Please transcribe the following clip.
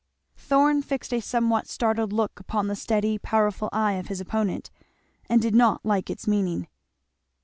Thorn fixed a somewhat startled look upon the steady powerful eye of his opponent, and did not like its meaning.